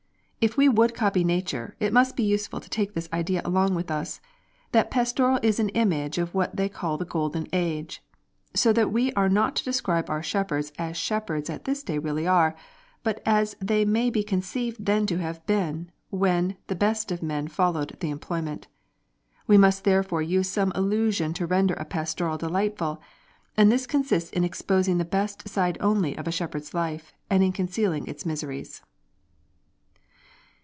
If we would copy Nature, it may be useful to take this Idea along with us: that Pastoral is an image of what they call the Golden Age. So that we are not to describe our shepherds as shepherds at this day really are, but as they may be conceived then to have been when the best of men followed the employment.... We must therefore use some illusion to render a Pastoral delightful, and this consists in exposing the best side only of a shepherd's life, and in concealing its miseries."